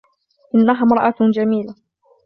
إنها امراة جميلة.